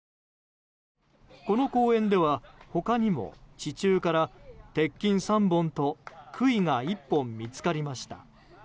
この公園では他にも地中から鉄筋３本と杭が１本見つかりました。